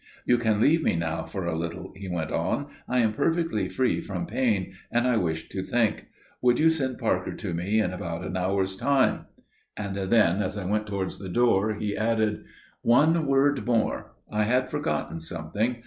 "You can leave me now for a little," he went on. "I am perfectly free from pain, and I wish to think. Would you send Parker to me in about an hour's time?" And then, as I went towards the door, he added: "One word more. I had forgotten something.